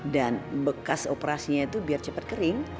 dan bekas operasinya itu biar cepet kering